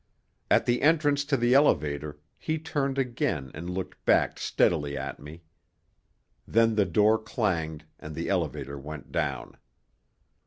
At the entrance to the elevator he turned again and looked back steadily at me. Then the door clanged and the elevator went down.